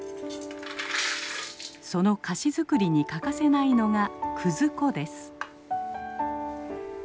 その菓子作りに欠かせないのが葛粉です。